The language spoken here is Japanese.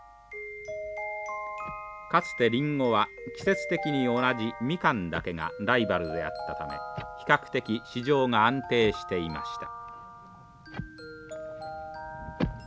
かつてリンゴは季節的に同じミカンだけがライバルであったため比較的市場が安定していました。